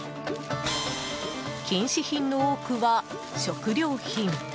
禁止品の多くは食料品。